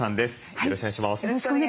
よろしくお願いします。